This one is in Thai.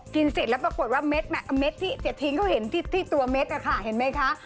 เสร็จแล้วปรากฏว่าเม็ดที่จะทิ้งเขาเห็นที่ตัวเม็ดนะคะเห็นไหมคะ